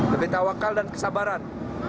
lebih tawakal dan kesabaran